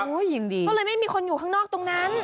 ยินดีก็เลยไม่มีคนอยู่ข้างนอกตรงนั้น